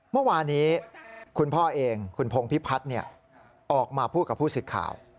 เมื่อวานี้คุณพ่อเองคุณพงพิพัฒน์ออกมาพูดกับผู้สื่อข่าว